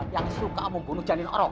yang suka membunuh janin orang